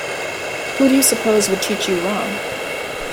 Who do you suppose would teach you wrong?